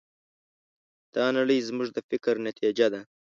دا نړۍ زموږ د فکر نتیجه ده.